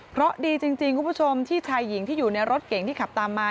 เพราะดีจริงคุณผู้ชมที่ชายหญิงที่อยู่ในรถเก่งที่ขับตามมา